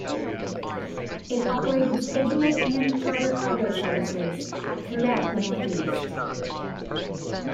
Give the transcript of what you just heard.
It operated scheduled and charter cargo services throughout the northeast.